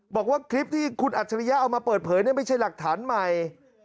บอกว่าคลิปที่คุณอัจฉริยะเอามาเปิดเผยไม่ใช่หลักฐานใหม่